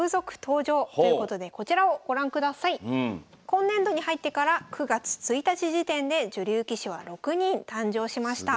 今年度に入ってから９月１日時点で女流棋士は６人誕生しました。